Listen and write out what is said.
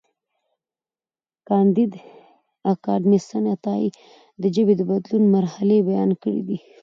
کانديد اکاډميسن عطايي د ژبې د بدلون مرحلې بیان کړې دي.